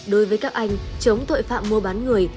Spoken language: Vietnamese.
đối với các anh chống tội phạm mua bán người